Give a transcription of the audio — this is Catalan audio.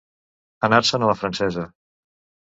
Anar-se'n a la francesa.